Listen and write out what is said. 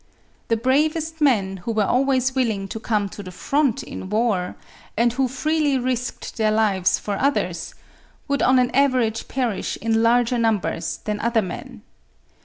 The bravest men, who were always willing to come to the front in war, and who freely risked their lives for others, would on an average perish in larger numbers than other men.